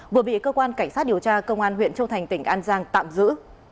vừa bị cơ quan cảnh sát điều tra công an huyện châu thành tỉnh an giang tạm giữ